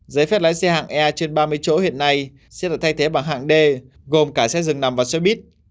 giấy phép lái xe hạng e trên ba mươi chỗ hiện nay sẽ được thay thế bằng hạng d gồm cả xe dừng nằm vào xe buýt